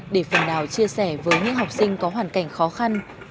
để phần nào chia sẻ với những học sinh có hoàn cảnh khó khăn